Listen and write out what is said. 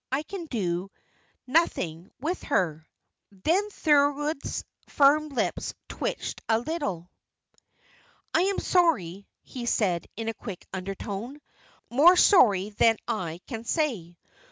I can do nothing with her." Then Thorold's firm lips twitched a little. "I am sorry," he said, in a quick undertone; "more sorry than I can say.